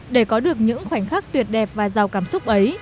để có được những khoảnh khắc tuyệt đẹp và giàu cảm xúc ấy